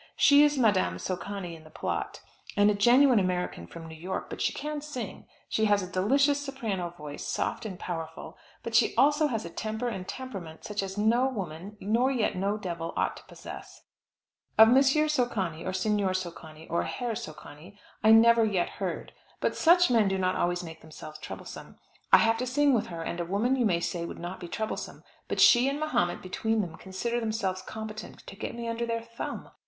She is Madame Socani in the plot, and a genuine American from New York; but she can sing; she has a delicious soprano voice, soft and powerful; but she has also a temper and temperament such as no woman, nor yet no devil, ought to possess. Of Monsieur Socani, or Signor Socani, or Herr Socani, I never yet heard. But such men do not always make themselves troublesome. I have to sing with her, and a woman you may say would not be troublesome, but she and Mahomet between them consider themselves competent to get me under their thumb.